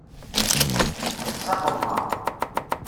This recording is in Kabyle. Ḥbes aqemmeṛ!